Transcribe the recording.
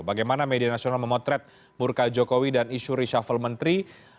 bagaimana media nasional memotret murka jokowi dan isu reshuffle menteri